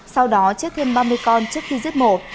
sau đó chết thêm ba mươi con trước khi giết mổ